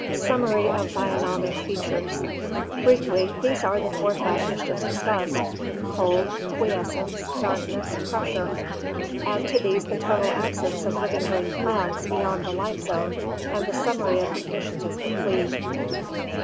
Summary of Bionomic Features. — Briefly, these are the four factors just discussed — cold, quiescence, darkness, pressure; add to these the total absence of living green plants beyond the light zone and the summary of conditions is complete.